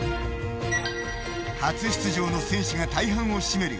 初出場の選手が大半を占める